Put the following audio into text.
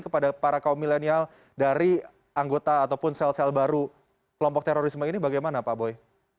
kepada para kaum milenial dari anggota ataupun sel sel baru kelompok terorisme ini bagaimana pak boy